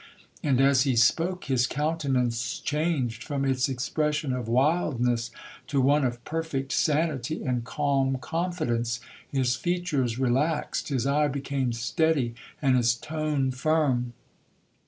And, as he spoke, his countenance changed from its expression of wildness to one of perfect sanity and calm confidence,—his features relaxed, his eye became steady, and his tone firm.